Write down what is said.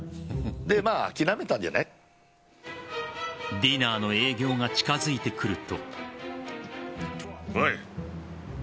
ディナーの営業が近づいてくると。